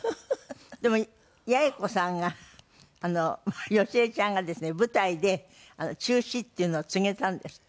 でも八重子さんが好重ちゃんがですね舞台で中止っていうのを告げたんですって？